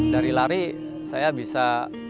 dari lari saya bisa